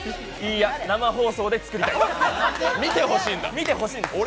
いや、生放送で作りたい。